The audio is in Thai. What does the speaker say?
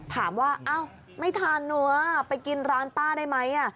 ถามว่าไม่ทานั้วไปกินร้านป้าได้ไหม